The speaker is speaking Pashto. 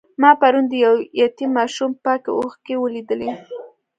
ما پرون د یو یتیم ماشوم پاکې اوښکې ولیدلې.